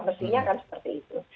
mestinya kan seperti itu